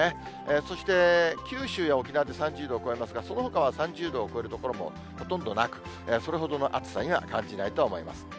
そして九州や沖縄で３０度を超えますが、そのほかは３０度を超える所もほとんどなく、それほどの暑さには感じないと思います。